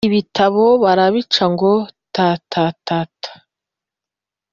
ibitabo barabica ngo tatatata